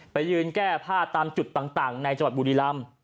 ไปยืนแก้ผ้าตามจุดต่างในจังหวัดบุรีรำ